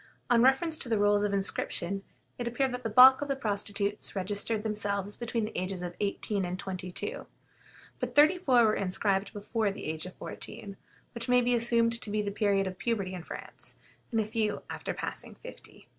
On reference to the rolls of inscription, it appeared that the bulk of the prostitutes registered themselves between the ages of eighteen and twenty two; but thirty four were inscribed before the age of fourteen, which may be assumed to be the period of puberty in France, and a few after passing fifty.